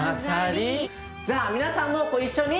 じゃあ皆さんもご一緒に。